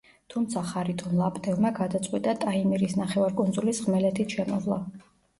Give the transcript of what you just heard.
თუმცა ხარიტონ ლაპტევმა გადაწყვიტა ტაიმირის ნახევარკუნძულის ხმელეთით შემოვლა.